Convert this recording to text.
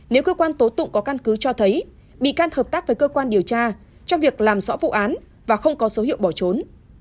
nếu cơ quan tố tụng có căn cứ cho thấy bị can hợp tác với cơ quan điều tra trong việc làm rõ vụ án và không có dấu hiệu bỏ trốn